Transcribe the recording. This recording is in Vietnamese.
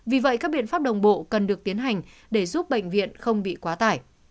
vì vậy các biện pháp đồng bộ cần được tiến hành để giúp bệnh viện không bị quá tải